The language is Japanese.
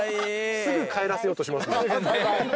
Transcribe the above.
すぐ帰らせようとしますね。